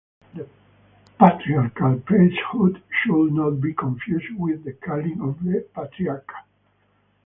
The patriarchal priesthood should not be confused with the calling of the patriarch.